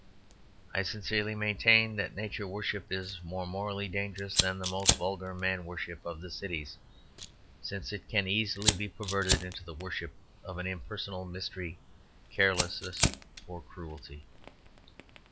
I sincerely maintain that Nature worship is more morally dangerous than the most vulgar man worship of the cities; since it can easily be perverted into the worship of an impersonal mystery, carelessness, or cruelty.